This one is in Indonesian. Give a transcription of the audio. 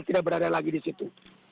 tidak berada lagi di situ